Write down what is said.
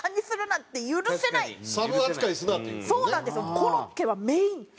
コロッケはメイン。